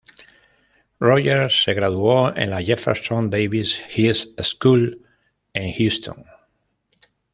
Rogers se graduó en la "Jefferson Davis High School" en Houston.